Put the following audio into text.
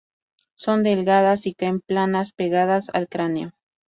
Son delgadas y caen planas, pegadas al cráneo.